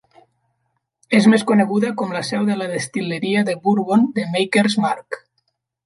És més coneguda com la seu de la destil·leria de bourbon de Maker's Mark.